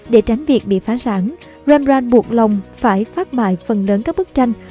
để tránh việc bị phá sản rembrandt buộc lòng phải phát mại phần lớn các bức tranh